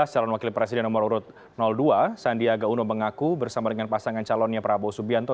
dua ribu sembilan belas calon wakil presiden nomor urut dua sandiaga uno mengaku bersama dengan pasangan calonnya prabowo subianto